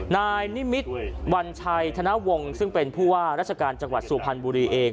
นายนิมิตรวัญชัยธนวงศ์ซึ่งเป็นผู้ว่าราชการจังหวัดสุพรรณบุรีเอง